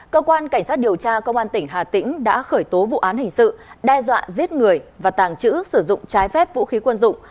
cơ quan cảnh sát điều tra công an tỉnh hà tĩnh đã khởi tố vụ án hình sự đe dọa giết người và tàng trữ sử dụng trái phép vũ khí quân dụng